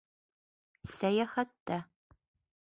Сәйәхәттә